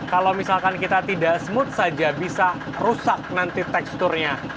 kalau misalkan kita tidak smooth saja bisa rusak nanti teksturnya